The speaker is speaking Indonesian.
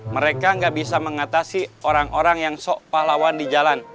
mereka nggak bisa mengatasi orang orang yang sok pahlawan di jalan